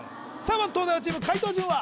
まず東大王チーム解答順は？